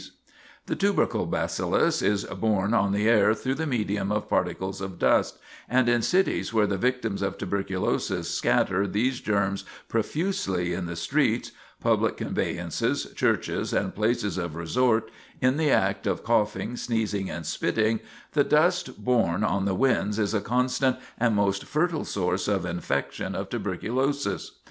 [Sidenote: The Deadly Tubercle Bacillus] The tubercle bacillus is borne on the air through the medium of particles of dust, and in cities where the victims of tuberculosis scatter these germs profusely in the streets, public conveyances, churches, and places of resort, in the act of coughing, sneezing, and spitting, the dust borne on the winds is a constant and most fertile source of infection of tuberculosis.